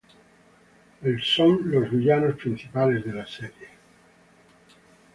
El son los villanos principales de la serie.